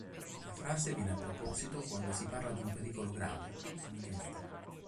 La frase viene a proposito quando si parla d'un pericolo grave, imminente.